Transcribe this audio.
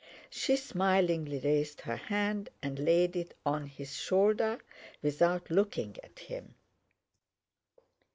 She smilingly raised her hand and laid it on his shoulder without looking at him.